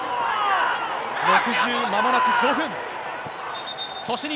６０、まもなく５分。